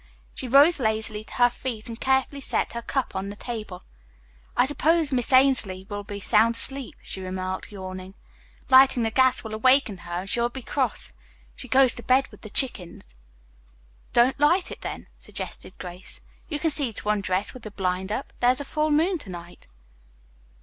She rose lazily to her feet, and carefully set her cup on the table. "I suppose Miss Ainslee will be sound asleep," she remarked, yawning. "Lighting the gas will awaken her and she will be cross. She goes to bed with the chickens." "Don't light it, then," suggested Grace. "You can see to undress with the blind up. There is full moon to night."